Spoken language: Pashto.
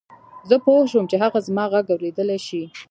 زه پوه شوم چې هغه زما غږ اورېدلای شي.